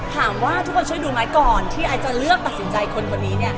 ถามว่าทุกคนช่วยดูไหมก่อนที่ไอจะเลือกตัดสินใจคนคนนี้เนี่ย